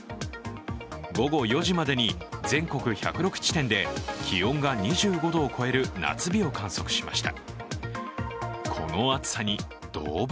午後４時までに全国１０６地点で気温が２５度を超える夏日を観測しました。